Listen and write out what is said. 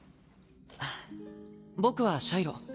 僕はシャイロ。